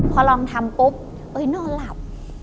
พอลองทำปุ๊บนอนหลับ